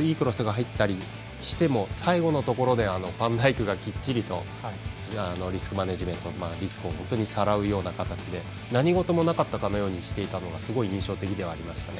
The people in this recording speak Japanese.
いいクロスが入ったりしても最後のところでファンダイクがきっちりとリスクマネージメントリスクをさらうような形で何事もなかったかのようにしていたのがすごい印象的ではありましたね。